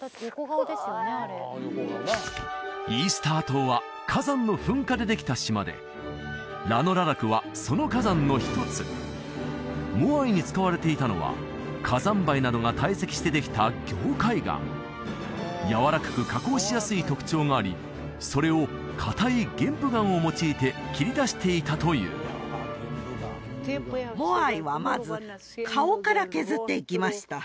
すごいイースター島は火山の噴火でできた島でラノ・ララクはその火山の一つモアイに使われていたのは火山灰などが堆積してできた凝灰岩やわらかく加工しやすい特徴がありそれをかたい玄武岩を用いて切り出していたというモアイはまず顔から削っていきました